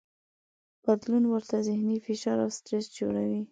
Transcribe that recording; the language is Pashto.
بدلون ورته ذهني فشار او سټرس جوړوي.